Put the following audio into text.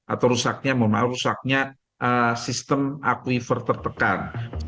atau rusaknya sistem aquifer tertekan